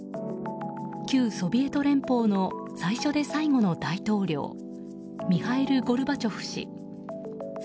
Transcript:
旧ソビエト連邦の最初で最後の大統領ミハイル・ゴルバチョフ氏。